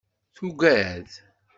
Tuggad.